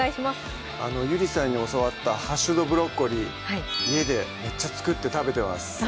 ゆりさんに教わった「ハッシュドブロッコリー」家でめっちゃ作って食べてます